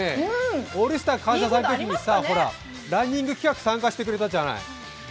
「オールスター感謝祭」のときにランニング企画参加してくれたじゃない。